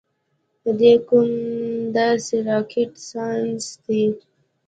پۀ دې کوم داسې راکټ سائنس دے -